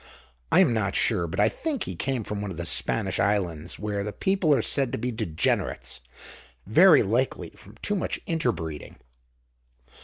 I am not sure, but I think he came from one of the Spanish islands, where the people are said to be degenerates, very likely from too much inter breeding.